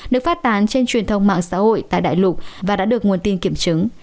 được phát tán trên truyền thông mạng xã hội tại đại lục và đã được nguồn tin kiểm chứng